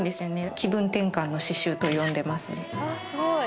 気分転換の刺繍と呼んでますね。